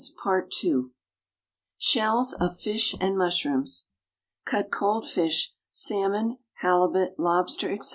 (See page 64)] =Shells of Fish and Mushrooms.= Cut cold fish salmon, halibut, lobster, etc.